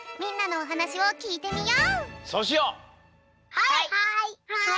はいはい！